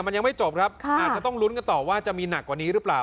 มันยังไม่จบครับอาจจะต้องลุ้นกันต่อว่าจะมีหนักกว่านี้หรือเปล่า